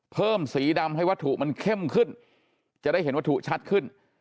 สีดำให้วัตถุมันเข้มขึ้นจะได้เห็นวัตถุชัดขึ้น